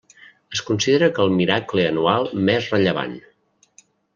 Es considera que el miracle anual més rellevant.